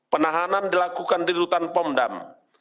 penahanan dilakukan di rutan pomdam